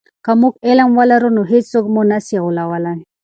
که موږ علم ولرو نو هیڅوک موږ نه سی غولولی.